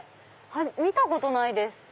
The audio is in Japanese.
見たことないです。